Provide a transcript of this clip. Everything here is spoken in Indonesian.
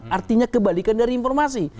artinya kebalikan dari informasi